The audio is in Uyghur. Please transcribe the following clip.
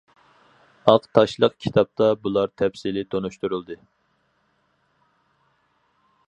ئاق تاشلىق كىتابتا بۇلار تەپسىلىي تونۇشتۇرۇلدى.